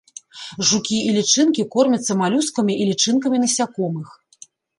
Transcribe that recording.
Жукі і лічынкі кормяцца малюскамі і лічынкамі насякомых.